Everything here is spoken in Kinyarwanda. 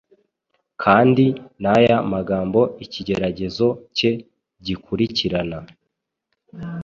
Kandi naya magambo ikigeragezo cye gikurikirana